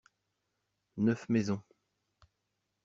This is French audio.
Neuf maisons.